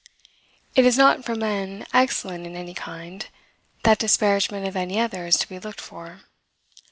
It is not from men excellent in any kind, that disparagement of any other is to be looked for.